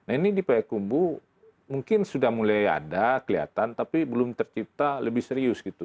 ini di payakumbu mungkin sudah mulai ada kelihatan tapi belum tercipta lebih serius gitu